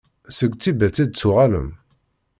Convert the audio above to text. Seg Tibet i d-tuɣalem?